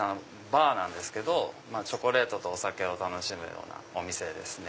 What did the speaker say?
バーなんですけどチョコレートとお酒を楽しむお店です。